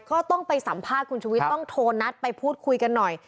ก็ต้องไปสัมภาษณ์คุณชุวิตต้องโทรนัดไปพูดคุยกันหน่อย